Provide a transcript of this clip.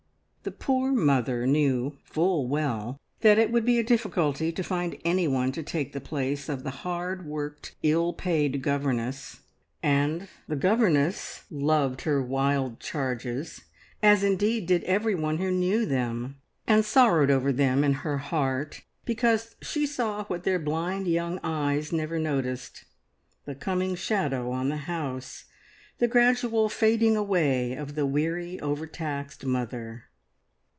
The poor mother knew full well that it would be a difficulty to find anyone to take the place of the hard worked, ill paid governess, and the governess loved her wild charges, as indeed did everyone who knew them, and sorrowed over them in her heart, because she saw what their blind young eyes never noticed the coming shadow on the house, the gradual fading away of the weary, overtaxed mother.